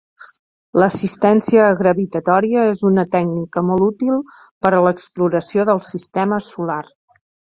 L'assistència gravitatòria és una tècnica molt útil per a l'exploració del sistema solar.